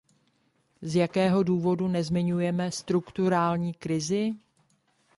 Z jakého důvodu nezmiňujeme strukturální krizi?